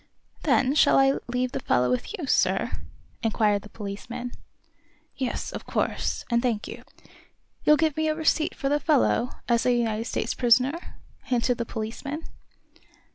"Then shall I leave the fellow with you, sir?" inquired the policeman. "Yes, of course; and thank you." "You'll give me a receipt for the fellow, as a United States prisoner?" hinted the policeman.